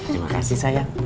terima kasih sayang